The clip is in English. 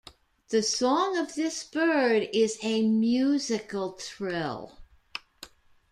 The song of this bird is a musical trill.